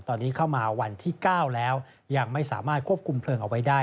ตอนนี้เข้ามาวันที่๙แล้วยังไม่สามารถควบคุมเพลิงเอาไว้ได้